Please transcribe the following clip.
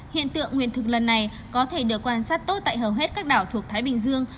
hiện tượng nguyền thực lần này có thể được quan sát tốt tại hầu hết các đảo thuộc thái bình dương